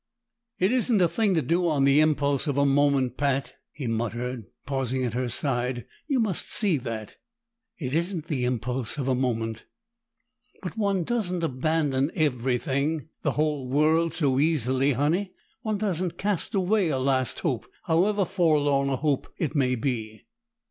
"It isn't a thing to do on the impulse of a moment, Pat," he muttered, pausing at her side. "You must see that." "It isn't the impulse of a moment." "But one doesn't abandon everything, the whole world, so easily, Honey. One doesn't cast away a last hope, however forlorn a hope it may be!"